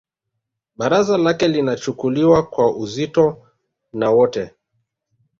Baraza lake linachukuliwa kwa uzito na wote